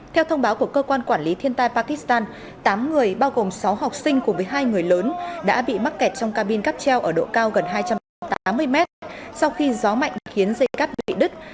theo thông báo của cơ quan quản lý thiên tai pakistan tám người bao gồm sáu học sinh cùng với hai người lớn đã bị mắc kẹt trong cabin cắp treo ở độ cao gần hai trăm tám mươi mét sau khi gió mạnh khiến dây cắp bị đứt